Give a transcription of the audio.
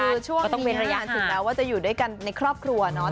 คือช่วงมีภรรยาถึงแม้ว่าจะอยู่ด้วยกันในครอบครัวเนาะ